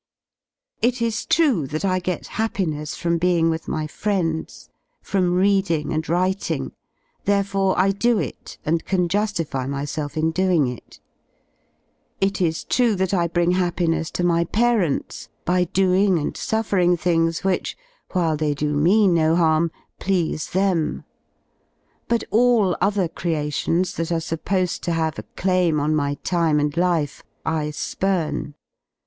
It is tr ue that I get happiness from being with my friends, s^rom readmg^nd writmg,'theFefore 1 dolt and "can ju^fy iTiyself in doing itjlt is true that I bring happiness to my parents by d oing and suffering things which, while they do \ me no harm, please them. But allotHercreations that are J supposed to have a claim on my time and life I spurn.